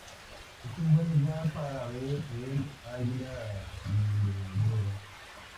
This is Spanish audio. Es un buen lugar para ver el águila culebrera.